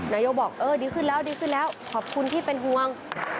นายกบอกดีขึ้นแล้วขอบคุณที่เป็นห่วง